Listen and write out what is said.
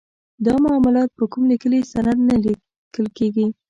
دا معاملات په کوم لیکلي سند نه لیکل کیږي.